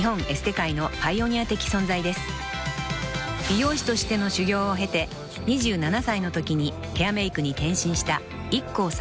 ［美容師としての修業を経て２７歳のときにヘアメークに転身した］